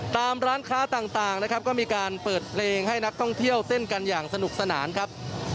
ตามร้านค้าต่างนะครับก็มีการเปิดเพลงให้นักท่องเที่ยวเต้นกันอย่างสนุกสนานครับ